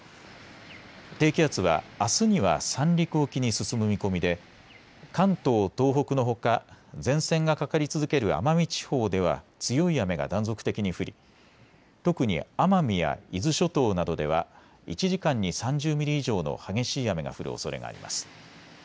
低気圧は、あすには三陸沖に進む見込みで関東東北のほか前線がかかり続ける奄美地方では強い雨が断続的に降り特に奄美や伊豆諸島などでは１時間に３０ミリ以上の激しい雨が降るおそれがあります。